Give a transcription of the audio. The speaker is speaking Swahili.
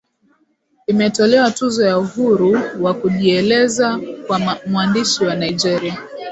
imetolewa Tuzo ya Uhuru wa Kujieleza kwa mwandishi wa Nigeria